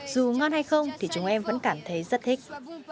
dù ngon hay không thì chúng em vẫn cảm thấy rất thích